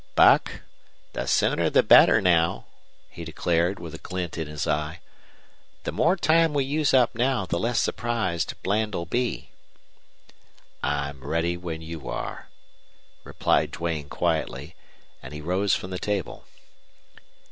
"Buck, the sooner the better now," he declared, with a glint in his eye. "The more time we use up now the less surprised Bland'll be." "I'm ready when you are," replied Duane, quietly, and he rose from the table.